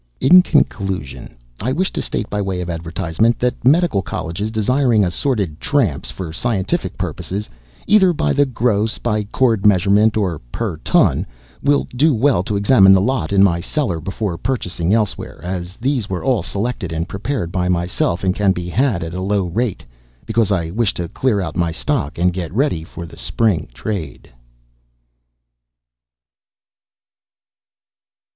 In conclusion, I wish to state, by way of advertisement, that medical colleges desiring assorted tramps for scientific purposes, either by the gross, by cord measurement, or per ton, will do well to examine the lot in my cellar before purchasing elsewhere, as these were all selected and prepared by myself, and can be had at a low rate, because I wish to clear, out my stock and get ready for the spring trade.